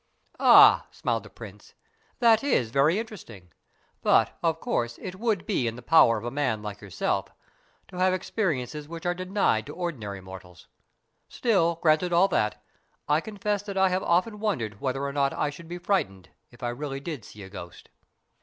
"Ah," smiled the Prince, "that is very interesting: but, of course, it would be in the power of a man like yourself to have experiences which are denied to ordinary mortals. Still, granted all that, I confess that I have often wondered whether or not I should be frightened if I really did see a ghost."